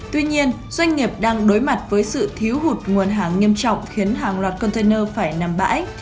tuy nhiên doanh nghiệp đang đối mặt với sự thiếu hụt nguồn hàng nghiêm trọng khiến hàng loạt container phải nằm bãi